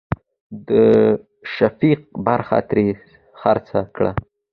د شفيق برخه ترې خرڅه کړه.